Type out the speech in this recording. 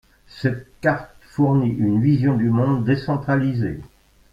Cette carte fournit une vision du monde décentralisée.